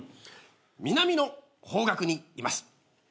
南の方角にいます。